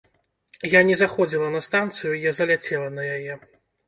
Я не заходзіла на станцыю, я заляцела на яе.